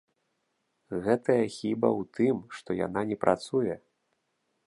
Гэтая хіба ў тым, што яна не працуе.